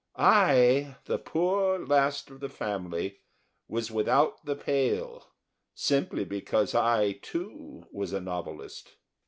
I, the poor last of the family, was without the pale, simply because I, too, was a novelist.